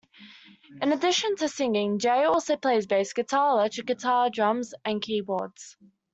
In addition to singing, Jey also plays bass guitar, electric guitar, drums and keyboards.